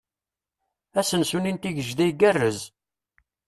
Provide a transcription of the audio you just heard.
Asensu-nni n Tigejda igarrez.